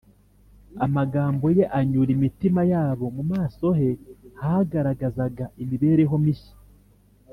Amagambo ye anyura imitima yabo. Mu maso he hagaragarazaga imibereho mishya